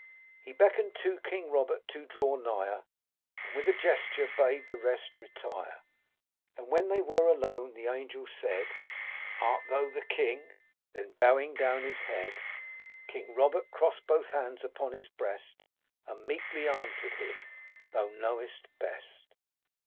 He beckoned to King Robert to draw nigher. And, with a gesture, bade the rest retire ; 254 King Robert of Sicily And when they were alone, the Angel said, ' Art thou the king ?' Then, bowing down his head, King Robert crossed both hands upon his breast. And meekly answered him :' Thou knowest best